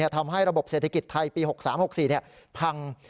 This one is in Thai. ทำให้ระบบเศรษฐกิจไทยปี๖๓๖๔พัง